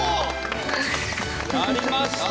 やりました！